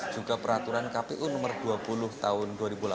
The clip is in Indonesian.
juga peraturan kpu nomor dua puluh tahun dua ribu delapan belas